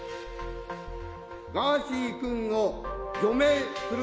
ガーシー君を除名する。